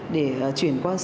để chuyển qua